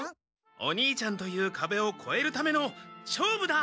お兄ちゃんというかべをこえるための「勝負だ！」